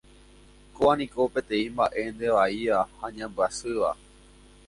Kóva niko peteĩ mbaʼe ndevaíva ha ñambyasýva.